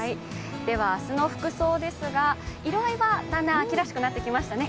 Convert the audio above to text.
では、明日の服装ですが色合いはだんだん秋らしくなってきましたね。